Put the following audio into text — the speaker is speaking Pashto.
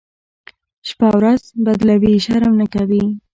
شپه ورځ بدلوي، شرم نه کوي.